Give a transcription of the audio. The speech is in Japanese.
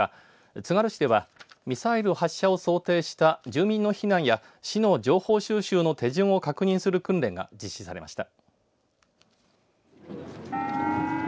つがる市ではミサイル発射を想定した住民の避難や市の情報収集の手順を確認する訓練が実施されました。